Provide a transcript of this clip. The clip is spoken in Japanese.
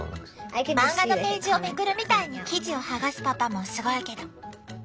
漫画のページをめくるみたいに生地を剥がすパパもすごいけど。